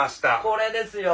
これですよ。